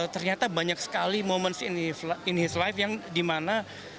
ternyata banyak sekali moments in his life yang dimana